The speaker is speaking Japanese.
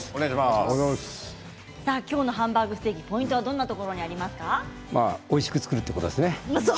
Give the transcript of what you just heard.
今日のハンバーグステーキポイントはどんなところにおいしく作るということですね。